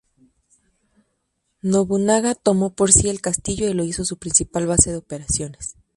Nobunaga tomó para sí el castillo y lo hizo su principal base de operaciones.